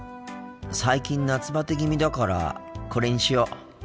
最近夏バテ気味だからこれにしよう。